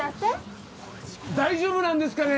大丈夫なんですかね？